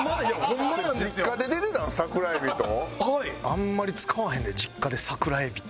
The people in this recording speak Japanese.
あんまり使わへんで実家で桜エビって。